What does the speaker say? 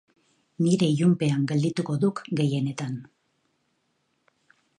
Nirea ilunpean geldituko duk gehienetan.